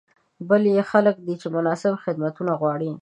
بل یې خلک دي چې مناسب خدمتونه غواړي.